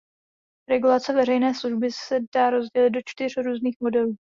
Regulace veřejné služby se dá rozdělit do čtyř různých modelů.